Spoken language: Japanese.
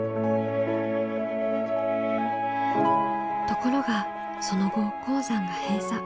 ところがその後鉱山が閉鎖。